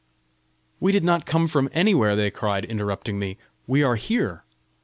"We did not come from anywhere," they cried, interrupting me; "we are here!"